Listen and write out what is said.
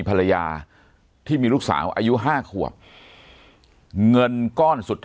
ภรรยาที่มีลูกสาวอายุ๕ขวบเงินก้อนสุดท้าย